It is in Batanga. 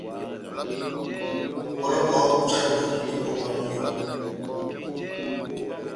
Bɔlɔ bɔhɔ́ bojahindi ó múdi múpɔkwɛ mú iyó.